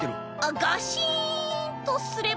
ガシンとすれば。